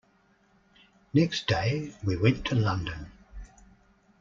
Next day we went to London.